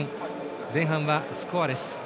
前半はスコアレス。